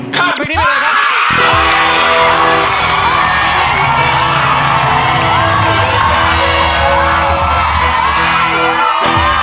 ข้ามเพลงนี้ได้เลยครับ